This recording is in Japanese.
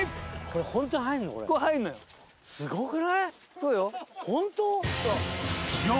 そうよ。